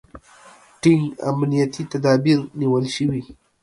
ټینګ امنیتي تدابیر نیول شوي.